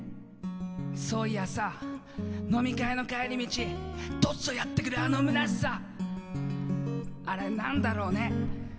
そういやさ、飲み会の帰り道、突如やってくれる、あのむなしさあれ、何だろうね。